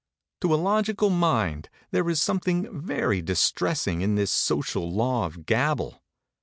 To a logical mind there is something very distressing in this social law of gabble.